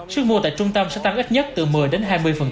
sức mua tại trung tâm sẽ tăng ít nhất từ một mươi đến hai mươi